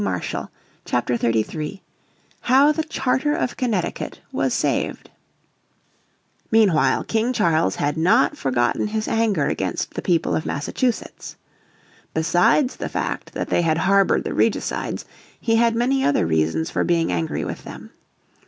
__________ Chapter 33 How The Charter of Connecticut Was Saved Meanwhile King Charles had not forgotten his anger against the people of Massachusetts. Besides the fact that they had harboured the regicides, he had many other reasons for being angry with them.